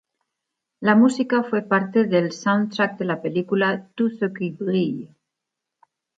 La música fue parte del soundtrack de la película "Tout ce qui brille".